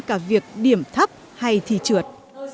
cả việc điểm thấp hay thì trượt